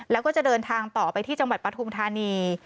แล้วก็จะเดินทางต่อไปที่จังหวัดปฐุมธานี